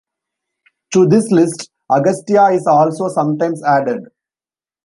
To this list, Agastya is also sometimes added.